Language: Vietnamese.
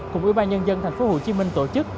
cùng ủy ban nhân dân thành phố hồ chí minh tổ chức